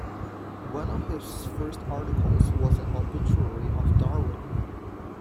One of his first articles was an obituary of Darwin.